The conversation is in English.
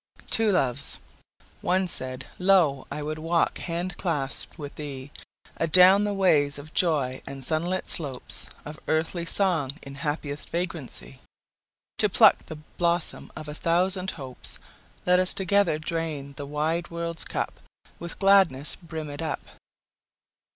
0 Autoplay One said; "Lo, I would walk hand clasped with thee Adown the ways of joy and sunlit slopes Of earthly song in happiest vagrancy To pluck the blossom of a thousand hopes. Let us together drain the wide world's cup With gladness brimméd up!"